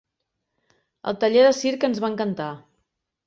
El taller de circ ens va encantar.